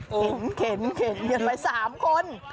เห็นเข็นเข็นเงินไป๓คน